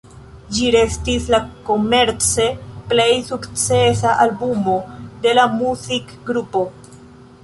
Ĝi restis la komerce plej sukcesa albumo de la muzikgrupo.